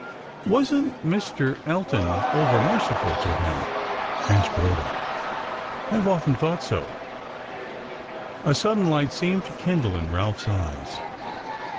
"Wasn't Mr. Elton over merciful to him?" asked Rhoda. "I have often thought so." A sudden light seemed to kindle in Ralph's eyes.